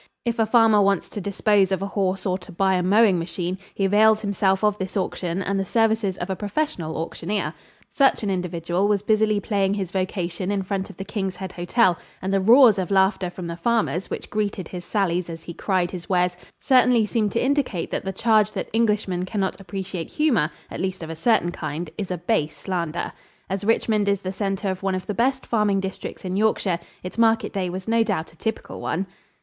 If a farmer wants to dispose of a horse or to buy a mowing machine, he avails himself of this auction and the services of a professional auctioneer. Such an individual was busily plying his vocation in front of the King's Head Hotel, and the roars of laughter from the farmers which greeted his sallies as he cried his wares certainly seemed to indicate that the charge that Englishmen can not appreciate humor at least of a certain kind is a base slander. As Richmond is the center of one of the best farming districts in Yorkshire, its market day was no doubt a typical one.